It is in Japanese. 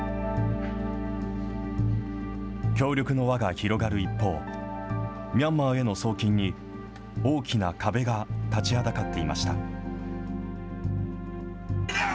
協力の輪が広がる一方、ミャンマーへの送金に大きな壁が立ちはだかっていました。